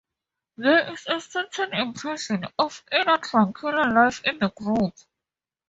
There is a certain impression of inner tranquil life in the group.